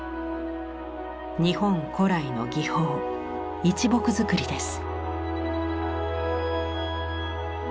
日本古来の技法「一木造り」です。